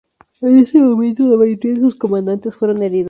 En ese momento, la mayoría de sus comandantes fueron heridos.